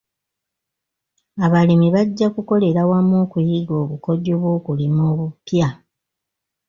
Abalimi bajja kukolera wamu okuyiga obukodyo bw'okulima obupya.